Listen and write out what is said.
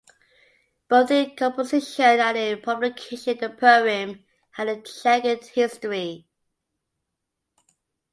Both in composition and in publication, the poem had a checkered history.